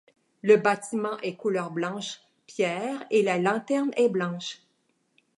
Le bâtiment est couleur blanche pierre et la lanterne est blanche.